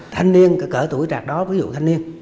thanh niên cỡ tuổi trạc đó ví dụ thanh niên